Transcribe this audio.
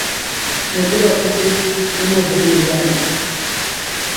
n'okpuruọchịchị ime obodo Ihiala